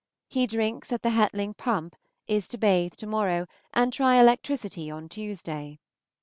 He drinks at the Hetling Pump, is to bathe to morrow, and try electricity on Tuesday.